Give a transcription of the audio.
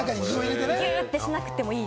ギュってしなくてもいい。